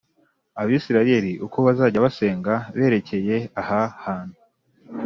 ’abisirayeli, uko bazajya basenga berekeye aha hantu;